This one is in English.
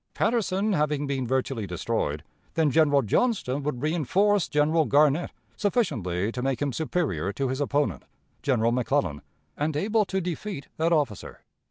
Patterson having been virtually destroyed, then General Johnston would reënforce General Garnett sufficiently to make him superior to his opponent (General McClellan) and able to defeat that officer.